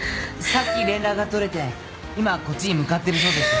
さっき連絡が取れて今こっちに向かっているそうです。